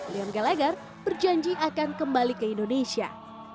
liam gallagher berjanji akan kembali ke indonesia